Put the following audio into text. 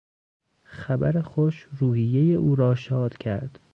خبر خوش روحیهی او را شاد کرد.